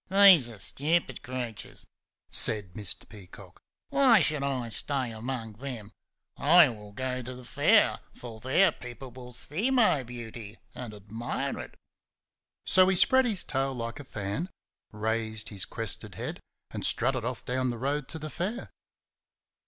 "These are stupid creatures!" said Mr. Peacock. "Why should I stay among them? I will go to the Fair, for there people will see my beauty and admire it." So he spread his tail like a fan, raised his crested head and strutted off down the road to the Fair.